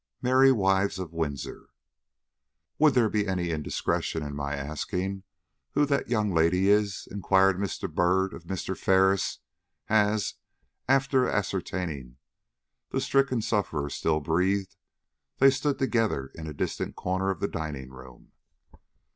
MERRY WIVES OF WINDSOR. "WOULD there be any indiscretion in my asking who that young lady is?" inquired Mr. Byrd of Mr. Ferris, as, after ascertaining that the stricken sufferer still breathed, they stood together in a distant corner of the dining room.